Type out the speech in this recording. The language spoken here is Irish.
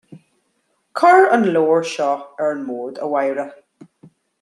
Cuir an leabhar seo ar an mbord, a Mháire